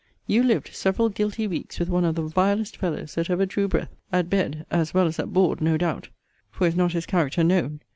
You lived several guilty weeks with one of the vilest fellows that ever drew breath, at bed, as well as at board, no doubt, (for is not his character known?)